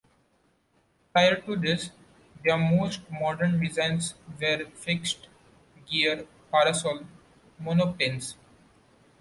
Prior to this, their most modern designs were fixed-gear parasol monoplanes.